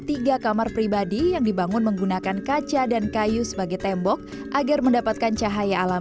tiga kamar pribadi yang dibangun menggunakan kaca dan kayu sebagai tembok agar mendapatkan cahaya alam